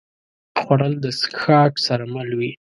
خوړل د څښاک سره مل وي